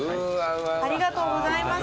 ありがとうございます。